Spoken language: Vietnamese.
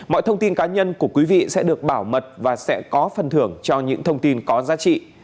mọi thông tin cá nhân của quý vị sẽ được bảo mật và sẽ có phần thưởng cho những thông tin có giá trị